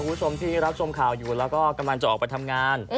คุณผู้ชมที่รับชมข่าวอยู่แล้วก็กำลังจะออกไปทำงาน